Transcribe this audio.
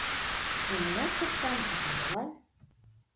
Но мыняр коштам — ала-молан